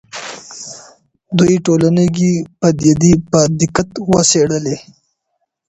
دوی ټولنیزې پدیدې په دقت وڅېړلې.